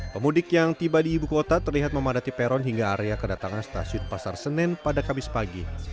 pemudik yang tiba di ibu kota terlihat memadati peron hingga area kedatangan stasiun pasar senen pada kamis pagi